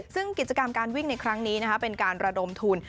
ซึ่งกิจกรรมการวิ่งในครั้งนี้เป็นการระดมทุน